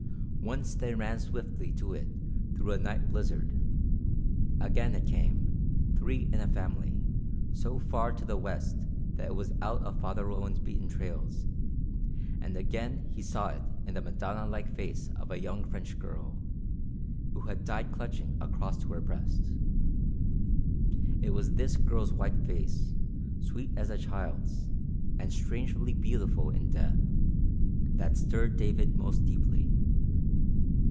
Once they ran swiftly to it through a night blizzard; again it came, three in a family, so far to the west that it was out of Father Roland's beaten trails; and again he saw it in the Madonna like face of a young French girl, who had died clutching a cross to her breast. It was this girl's white face, sweet as a child's and strangely beautiful in death, that stirred David most deeply.